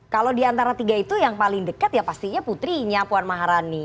kalau di antara tiga itu yang paling dekat ya pastinya putrinya puan maharani